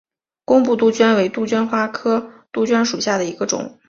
工布杜鹃为杜鹃花科杜鹃属下的一个种。